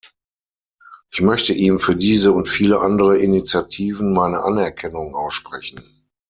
Ich möchte ihm für diese und viele andere Initiativen meine Anerkennung aussprechen.